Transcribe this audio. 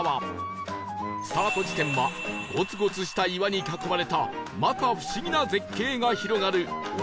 スタート地点はゴツゴツした岩に囲まれた摩訶不思議な絶景が広がる鬼